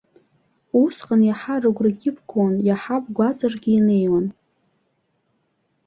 Усҟан иаҳа рыгәрагьы бгон, иаҳа бгәаҵаҿгьы инеиуан.